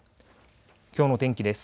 きょうの天気です。